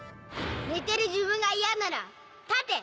寝てる自分が嫌なら立て！